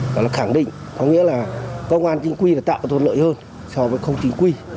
đó là khẳng định có nghĩa là công an chính quy là tạo được thuận lợi hơn so với công an chính quy